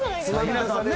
皆さんね。